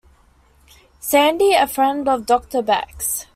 Sandy: A friend of Doctor Beck's.